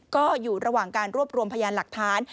ก็อยู่ระหว่างการรวบรวมพยานหลักฐาน